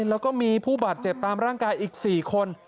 แล้วก็มีผู้บาดเจ็บตามร่างกายอีก๔คน